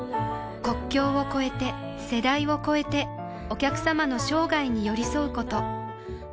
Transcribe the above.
国境を超えて世代を超えてお客様の生涯に寄り添うこと